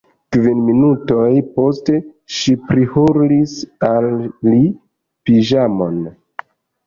Kvin minutojn poste, ŝi prihurlis al li piĵamon.